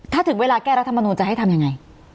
ถ้าถึงเวลาแก้รัฐมนูลจะให้ทำยังไง